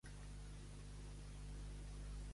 Macareu va engendrar una segona filla?